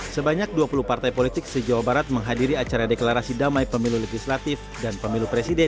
sebanyak dua puluh partai politik se jawa barat menghadiri acara deklarasi damai pemilu legislatif dan pemilu presiden